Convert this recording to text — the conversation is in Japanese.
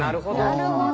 なるほど。